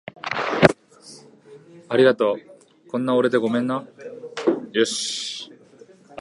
ありがとう。ごめんな